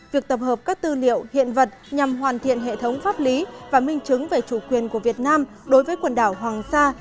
việc tập hợp các tư liệu hiện vật nhằm hoàn thiện hệ thống pháp lý và minh chứng về chủ quyền của việt nam đối với quần đảo hoàng sa